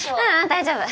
大丈夫。